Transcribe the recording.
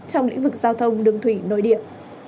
trong lĩnh vực giao thông đường thủy nội địa